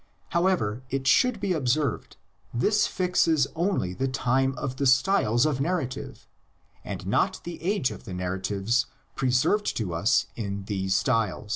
How ever, it should be observed, this fixes only the time of the styles of narrative, and not the age of the narratives preserved to us in these styles.